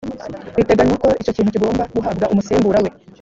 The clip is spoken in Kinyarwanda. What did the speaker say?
biteganywa ko icyo kintu kigomba guhabwa umusimbura we